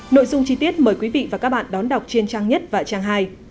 nội dung chi tiết mời quý vị và các bạn đón đọc trên trang nhất và trang hai